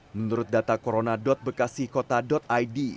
menurut data corona bekasikota id